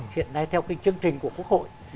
hiện nay theo cái chương trình của quốc hội